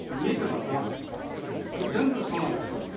これ全部そうなんです。